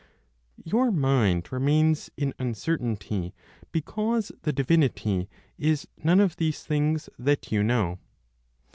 Your mind remains in uncertainty because the divinity is none of these things (that you know).